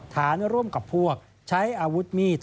ฐานร่วมกับพวกใช้อาวุธมีด